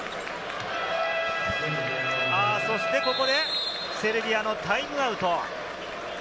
そしてここでセルビアのタイムアウト。